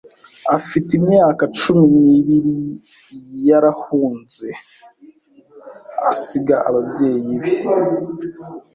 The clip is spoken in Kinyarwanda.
Afite imyaka cumi nibiri Yarahunze Asiga ababyeyi be